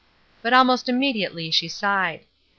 But almost immediately she sighed.